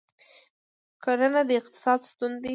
کرهڼه د اقتصاد ستون دی